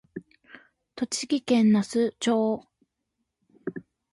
栃木県那須町